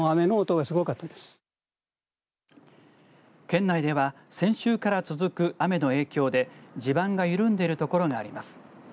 県内では先週から続く雨の影響で地盤が緩んでいる所があります。